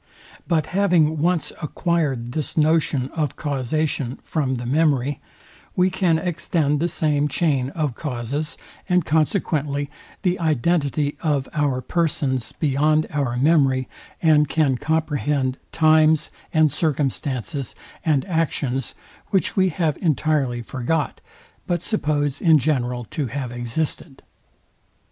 But having once acquired this notion of causation from the memory, we can extend the same chain of causes, and consequently the identity of car persons beyond our memory, and can comprehend times, and circumstances, and actions, which we have entirely forgot, but suppose in general to have existed.